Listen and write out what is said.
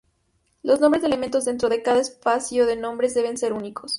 Los nombres de elementos dentro de cada espacio de nombres deben ser únicos.